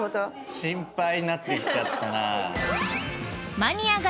心配になってきちゃったな。